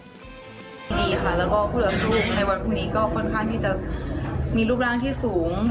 พวกเราสู้ในวันพรุ่งนี้ก็ค่อนข้างที่จะมีรูปร่างที่สูง